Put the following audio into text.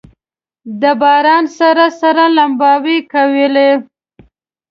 د باران سره سره لمباوې کولې.